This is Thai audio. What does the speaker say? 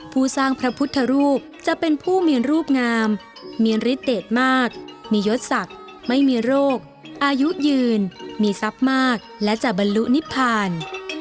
ผู้สร้างพระพุทธรูปจะเป็นผู้มีรูปงามมีฤทเดชมากมียศศักดิ์ไม่มีโรคอายุยืนมีทรัพย์มากและจะบรรลุนิพพาน